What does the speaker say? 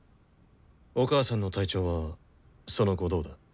お母さんの体調はその後どうだ？